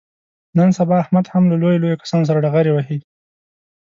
نن سبا احمد هم له لویو لویو کسانو سره ډغرې وهي.